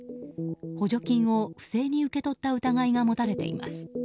補助金を不正に受け取った疑いが持たれています。